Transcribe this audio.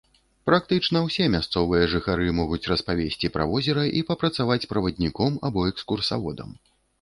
Практычна ўсе мясцовыя жыхары могуць распавесці пра возера і папрацаваць правадніком або экскурсаводам.